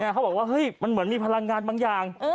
เขาบอกว่าเฮ้ยมันเหมือนมีพลังงานบางอย่าง